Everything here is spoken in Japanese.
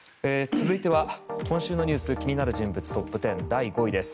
続いては、今週のニュース気になる人物トップ１０。